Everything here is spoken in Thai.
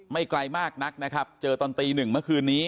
ไม่ไกลมากนักนะครับเจอตอนตีหนึ่งเมื่อคืนนี้